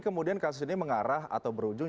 kemudian kasus ini mengarah atau berujung